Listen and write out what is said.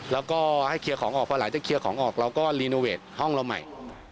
แล้วก็ให้เคลียร์ของออกพอหลังจากเคลียร์ของออกเราก็รีโนเวทห้องเราใหม่